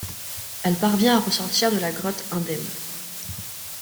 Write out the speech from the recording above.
Elle parvient à ressortir de la grotte indemne.